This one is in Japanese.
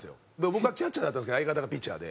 僕はキャッチャーだったんですけど相方がピッチャーで。